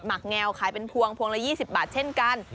หักแงวขายเป็นพวงพวงละ๒๐บาทเช่นกัน